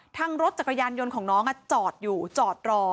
ทางรถจักรยานยนต์ของน้องจอดอยู่จอดรอ